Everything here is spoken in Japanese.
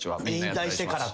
引退してからとか？